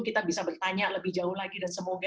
kita bisa bertanya lebih jauh lagi dan semoga